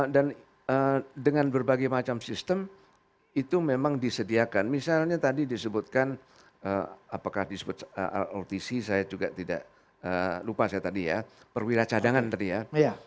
dan dengan berbagai macam sistem itu memang disediakan misalnya tadi disebutkan apakah disebut ltc saya juga tidak lupa saya tadi ya perwira cadangan tadi ya